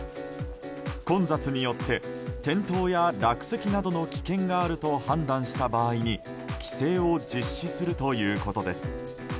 混雑によって転倒や落石などの危険があると判断した場合に規制を実施するということです。